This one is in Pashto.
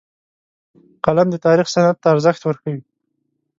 قلم د تاریخ سند ته ارزښت ورکوي